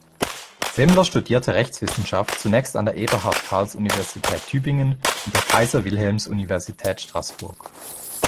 Semler studierte Rechtswissenschaft zunächst an der Eberhard Karls Universität Tübingen und der Kaiser-Wilhelms-Universität Straßburg.